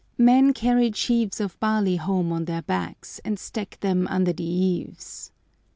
Men carried sheaves of barley home on their backs, and stacked them under the eaves.